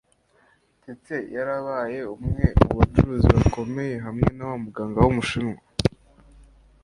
ndetse yarabaye umwe mubacuruzi bakomeye hamwe nawamuganga wumushinwa